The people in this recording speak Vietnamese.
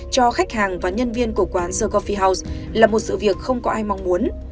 cho khách hàng và nhân viên của quán secorfy house là một sự việc không có ai mong muốn